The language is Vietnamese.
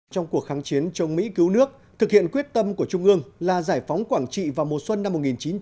trong cuộc kháng chiến chống mỹ cứu nước thực hiện quyết tâm của trung ương là giải phóng quảng trị vào mùa xuân năm một nghìn chín trăm bảy mươi năm